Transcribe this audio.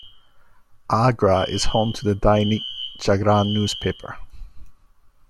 Agra is home to the "Dainik Jagran" newspaper.